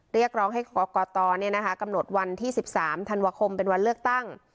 เรียกร้องให้ก่อต่อเนี่ยนะคะกำหนดวันที่๑๓ธันวาคมเป็นวันเลือกตั้ง